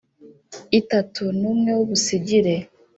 Itatu n umwe w ubusigire